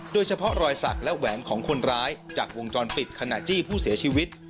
โดยเฉพาะรอยสักและแหวนของคนร้ายจากวงจรปิดขณะจี้ผู้เสียชีวิต